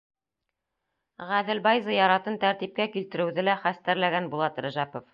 Ғәҙелбай зыяратын тәртипкә килтереүҙе лә хәстәрләгән Булат Рәжәпов.